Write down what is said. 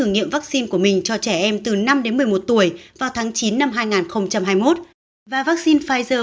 nghiệm vaccine của mình cho trẻ em từ năm đến một mươi một tuổi vào tháng chín năm hai nghìn hai mươi một và vaccine pfizer